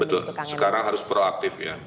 betul sekarang harus proaktif ya